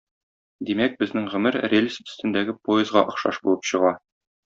димәк безнең гомер рельс өстендәге поездга охшаш булып чыга.